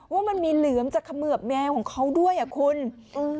ว่ามันมีเหลือมจะเขมือบแมวของเขาด้วยอ่ะคุณอืม